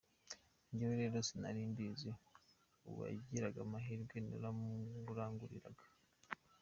Jyewe rero sinari mbizi uwagiraga amahirwe naramuranguriraga.